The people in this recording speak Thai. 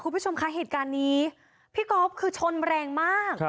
ขอบคุณค่ะเหตุการณ์นี้ค่ะพี่กรอบเลยชนแรงมาก